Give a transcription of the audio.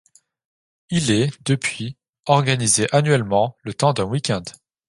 Il est, depuis, organisé annuellement, le temps d'un week-end.